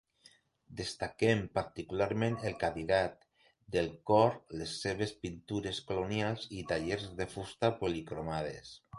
Destaquen particularment el cadirat del cor, les seves pintures colonials i talles de fusta policromades.